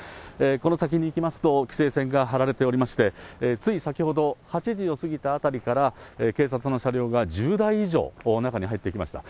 この先に行きますと、規制線が張られておりまして、つい先ほど、８時を過ぎたあたりから、警察の車両が１０台以上中に入っていきました。